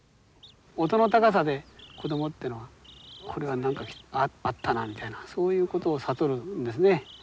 音の高さで子供っていうのは「これは何かあったな」みたいなそういうことを悟るんですね。